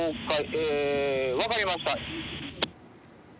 え分かりました」。